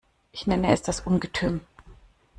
Ich nenne es das Ungetüm.